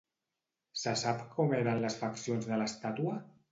Se sap com eren les faccions de l'estàtua?